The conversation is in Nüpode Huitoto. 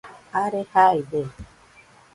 are jaide